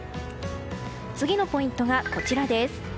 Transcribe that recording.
次のポイントがこちらです。